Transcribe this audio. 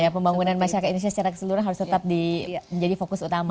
pembangunan masyarakat indonesia secara keseluruhan harus tetap menjadi fokus utama